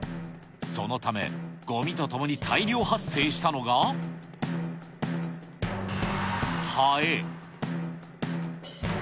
そのため、ごみとともに大量発生したのが、ハエ。